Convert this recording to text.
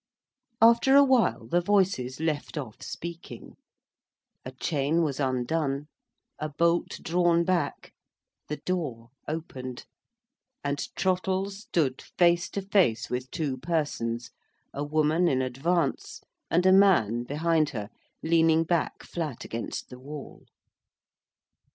After a while, the voices left off speaking—a chain was undone, a bolt drawn back—the door opened—and Trottle stood face to face with two persons, a woman in advance, and a man behind her, leaning back flat against the wall.